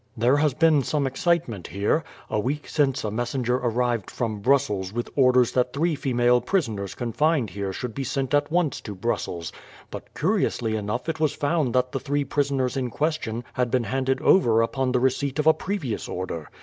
"There has been some excitement here. A week since a messenger arrived from Brussels with orders that three female prisoners confined here should be sent at once to Brussels; but curiously enough it was found that the three prisoners in question had been handed over upon the receipt of a previous order.